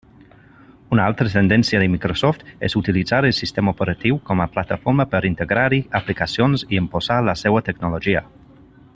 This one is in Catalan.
Una altra tendència de Microsoft és utilitzar el sistema operatiu com a plataforma per integrar-hi aplicacions i imposar la seva tecnologia.